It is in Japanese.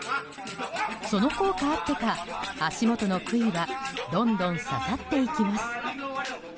その効果あってか足元の杭はどんどん刺さっていきます。